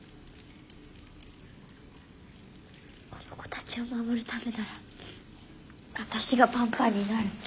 この子たちを守るためならあたしがパンパンになる。